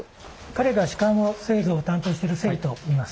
彼が紙管製造を担当してる關といいます。